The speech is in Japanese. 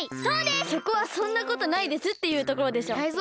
そこは「そんなことないです」っていうところでしょ。